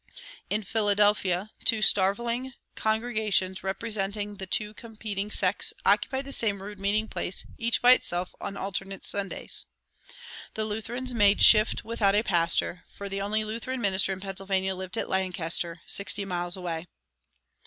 In Philadelphia two starveling congregations representing the two competing sects occupied the same rude meeting place each by itself on alternate Sundays. The Lutherans made shift without a pastor, for the only Lutheran minister in Pennsylvania lived at Lancaster, sixty miles away.